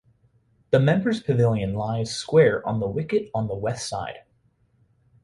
The members pavilion lies square of the wicket on the west side.